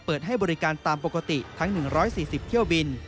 เปิดให้บริการตามปกติทั้ง๑๔๐เที่ยวบิน